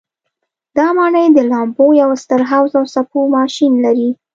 دا ماڼۍ د لامبو یو ستر حوض او څپو ماشین لري.